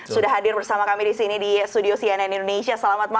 sudah hadir bersama kami di sini di studio cnn indonesia selamat malam